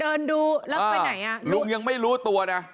เดินดูแล้วไปไหนอ่ะลุงยังไม่รู้ตัวนะ